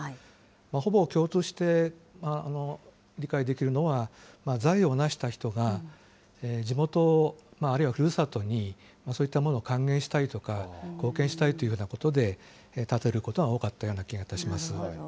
ほぼ共通して理解できるのは、財を成した人が地元あるいはふるさとにそういったものを還元したいとか、貢献したいというふうなことで建てることが多かったような気がいたします。